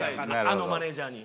あのマネージャーに？